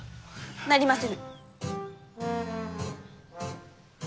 なりませぬ！